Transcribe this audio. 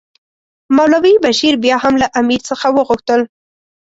مولوي بشیر بیا هم له امیر څخه وغوښتل.